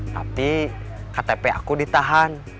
tapi ktp aku ditahan